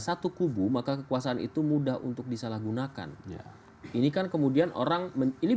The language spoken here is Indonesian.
satu kubu maka kekuasaan itu mudah untuk disalahgunakan ini kan kemudian orang ini